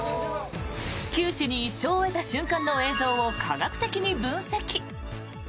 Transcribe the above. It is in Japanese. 九死に一生を得た瞬間の映像を科学的に分析！